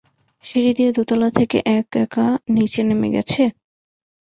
সিঁড়ি দিয়ে দোতলা থেকে এক-একা নিচে নেমে গেছে?